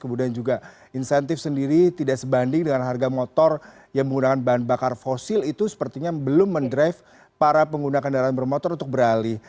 kemudian juga insentif sendiri tidak sebanding dengan harga motor yang menggunakan bahan bakar fosil itu sepertinya belum mendrive para pengguna kendaraan bermotor untuk beralih